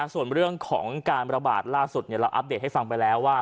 ส่วนเรื่องของการระบาดล่าสุดเราอัปเดตให้ฟังไปแล้วว่า